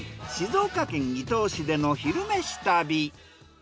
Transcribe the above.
静岡県伊東市での「昼めし旅」。